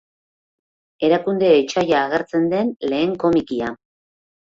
Erakunde etsaia agertzen den lehen komikia.